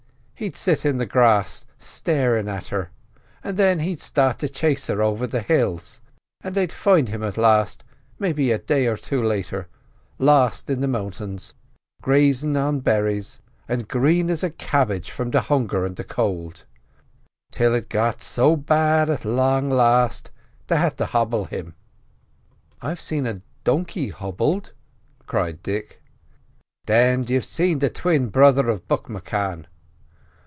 "He'd sit on the grass starin' at her, an' thin he'd start to chase her over the hills, and they'd find him at last, maybe a day or two later, lost in the mountains, grazin' on berries, an' as green as a cabbidge from the hunger an' the cowld, till it got so bad at long last they had to hobble him." "I've seen a donkey hobbled," cried Dick. "Thin you've seen the twin brother of Buck M'Cann.